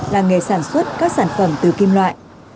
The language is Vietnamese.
làng nghề sản xuất các sản phẩm từ kim loại